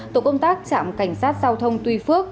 tổ công tác trạm cảnh sát giao thông tuy phước